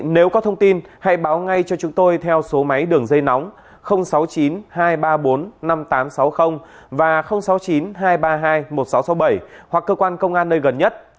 nếu có thông tin hãy báo ngay cho chúng tôi theo số máy đường dây nóng sáu mươi chín hai trăm ba mươi bốn năm nghìn tám trăm sáu mươi và sáu mươi chín hai trăm ba mươi hai một nghìn sáu trăm sáu mươi bảy hoặc cơ quan công an nơi gần nhất